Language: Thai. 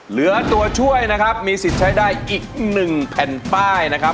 เหลือตัวช่วยนะครับมีสิทธิ์ใช้ได้อีกหนึ่งแผ่นป้ายนะครับ